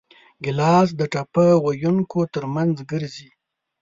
ګیلاس د ټپه ویونکو ترمنځ ګرځي.